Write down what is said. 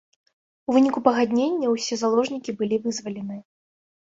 У выніку пагаднення ўсе заложнікі былі вызвалены.